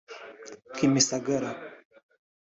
Kimisagara